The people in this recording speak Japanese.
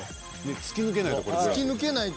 突き抜けないと。